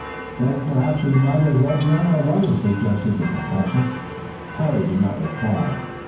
"Then perhaps we might as well be on our way," suggested the Professor. Parry did not reply.